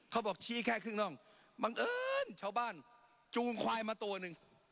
เขาบอกชี้แค่ครึ่งน่องบังเอิญชาวบ้านจูงควายมาตัวหนึ่ง